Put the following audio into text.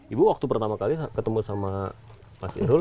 ibu waktu pertama kali ketemu sama mas irul